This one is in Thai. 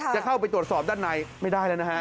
จะเข้าไปตรวจสอบด้านใน